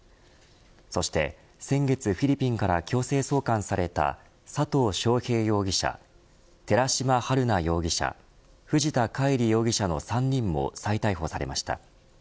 そして、先月フィリピンから強制送還された佐藤翔平容疑者寺島春奈容疑者藤田海里容疑者の３人も再逮捕されました。